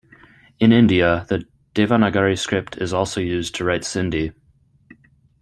In India, the Devanagari script is also used to write Sindhi.